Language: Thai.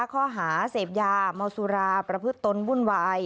ข้อหาเสพยาเมาสุราประพฤติตนวุ่นวาย